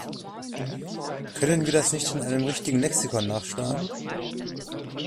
Können wir das nicht in einem richtigen Lexikon nachschlagen?